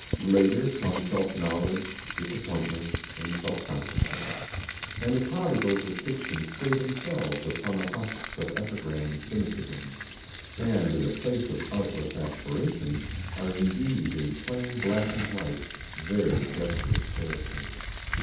Later come self knowledge, disappointments and self consciousness, and the prodigals of fiction stay themselves upon the husks of epigram and cynicism, and in the place of artless aspiration are indeed in plain black and white very desperate characters.